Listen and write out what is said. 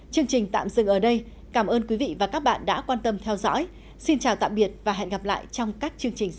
chương trình tạm dừng ở đây cảm ơn quý vị và các bạn đã quan tâm theo dõi xin chào tạm biệt và hẹn gặp lại trong các chương trình sau